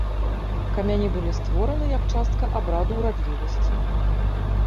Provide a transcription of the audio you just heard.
Камяні былі створаны як частка абраду урадлівасці.